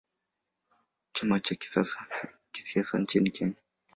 Chama cha kisiasa nchini Kenya.